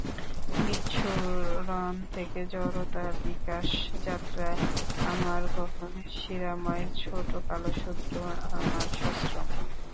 বিচ্ছুরণ থেকে জড়তার বিকাশ যাত্রায়, তামার গহন শিরাময় ছোটে কালো শুক্র—আমার সম্ভ্রম।